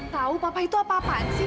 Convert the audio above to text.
tahu papa itu apa apaan sih